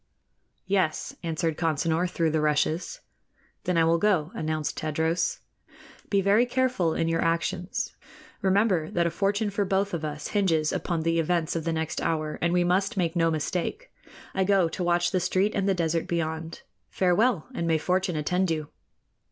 "Yes," answered Consinor, through the rushes. "Then I will go," announced Tadros. "Be very careful in your actions. Remember that a fortune for both of us hinges upon the events of the next hour, and we must make no mistake. I go to watch the street and the desert beyond. Farewell, and may fortune attend you!"